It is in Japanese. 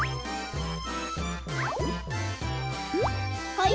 はい。